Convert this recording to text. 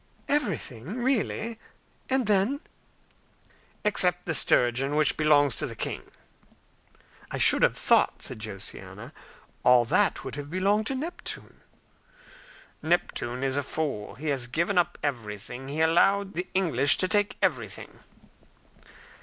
"Everything! Really? And then?" "Except the sturgeon, which belongs to the king." "I should have thought," said Josiana, "all that would have belonged to Neptune." "Neptune is a fool. He has given up everything. He has allowed the English to take everything."